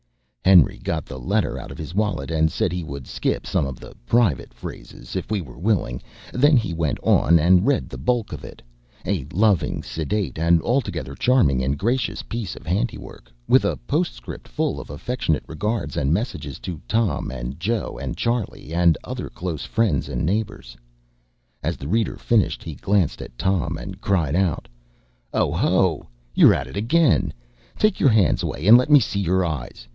Henry got the letter out of his wallet, and said he would skip some of the private phrases, if we were willing; then he went on and read the bulk of it a loving, sedate, and altogether charming and gracious piece of handiwork, with a postscript full of affectionate regards and messages to Tom, and Joe, and Charley, and other close friends and neighbors. As the reader finished, he glanced at Tom, and cried out: "Oho, you're at it again! Take your hands away, and let me see your eyes.